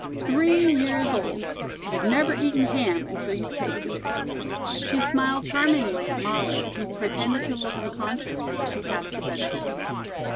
Three years old. You've never eaten ham until you've tasted it." She smiled charmingly at Molly, who pretended to look unconscious while she passed the vegetables.